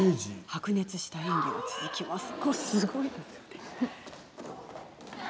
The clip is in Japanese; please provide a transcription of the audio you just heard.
白熱した演技が続きます。